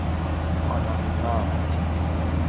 آناهیتا